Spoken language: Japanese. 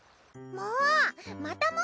もう！